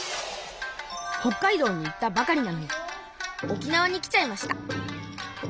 北海道に行ったばかりなのに沖縄に来ちゃいました。